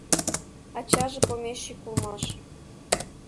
Ачаже помещик улмаш.